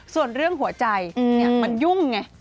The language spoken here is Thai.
ส่วนเรื่องหัวใจมันยุ่งไง